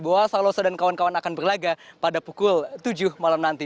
bahwa salosa dan kawan kawan akan berlaga pada pukul tujuh malam nanti